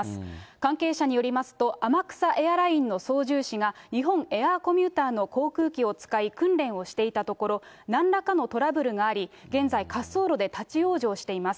関係者によりますと、天草エアラインの操縦士が日本エアコミューターの航空機を使い、訓練をしていたところ、なんらかのトラブルがあり、現在、滑走路で立往生しています。